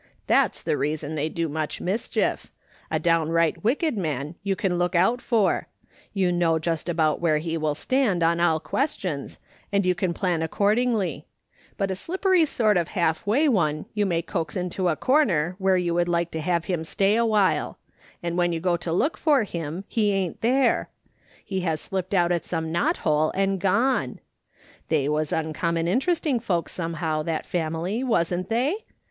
That's the reason they do so much mischief ; a downright wicked man "/ THINK AXD MRS. SMITH DOESr 65 you can look out for ; you know just about where he will stand on all questions, and you can plan accordingly : but a slippery sort of half way one you may coax into a corner where you would like to have him stay awhile ; and when you go to look for him he ain't there ; he has slipped out at some knot hole and gone ■ They was uncommon interest ing folks somehow, that family, wasn't they